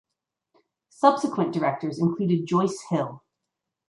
Subsequent directors included Joyce Hill.